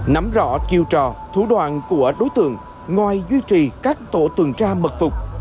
nắm rõ chiêu trò thủ đoạn của đối tượng ngoài duy trì các tổ tuần tra mật phục